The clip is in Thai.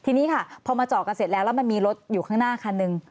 ทีนี้ค่ะพอมาจอดกันเสร็จแล้วแล้วมันมีรถอยู่ข้างหน้าคันหนึ่ง